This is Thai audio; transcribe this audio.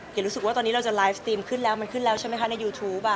รู้สึกว่าตอนนี้เราจะไลฟ์สตรีมขึ้นแล้วมันขึ้นแล้วใช่ไหมคะในยูทูป